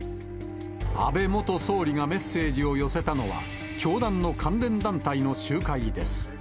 安倍元総理がメッセージを寄せたのは、教団の関連団体の集会です。